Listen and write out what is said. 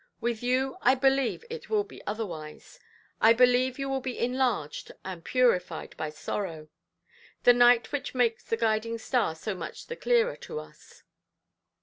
With you, I believe, it will be otherwise; I believe you will be enlarged and purified by sorrow—the night which makes the guiding–star so much the clearer to us".